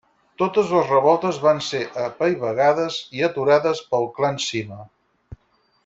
Totes les revoltes van ser apaivagades i aturades pel clan Sima.